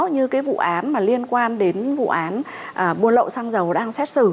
như cái vụ án mà liên quan đến vụ án buôn lậu sang giàu đang xét xử